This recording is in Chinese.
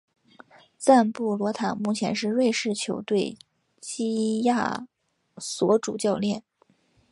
赞布罗塔目前是瑞士球队基亚索主教练。